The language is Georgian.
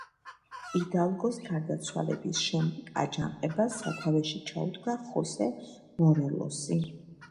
იდალგოს გარდაცვალების შემდეგ აჯანყებას სათავეში ჩაუდგა ხოსე მორელოსი.